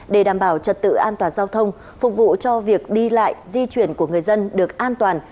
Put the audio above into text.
để đảm bảo trật tự an toàn giao thông phục vụ cho việc đi lại di chuyển của người dân được an toàn